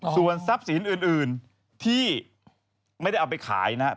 ส่วนทรัพย์สินอื่นที่ไม่ได้เอาไปขายนะครับ